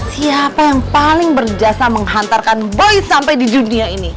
siapa yang paling berjasa menghantarkan boy sampai di dunia ini